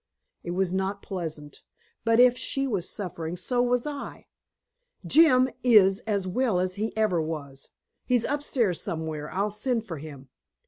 It was not pleasant, but if she was suffering, so was I. "Jim is as well as he ever was. He's upstairs somewhere. I'll send for him."